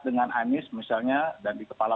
dengan anies misalnya dan di kepala